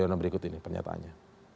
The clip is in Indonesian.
yudhoyono berikut ini pernyataannya